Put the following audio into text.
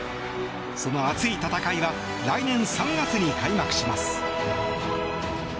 その熱い戦いは来年３月に開幕します。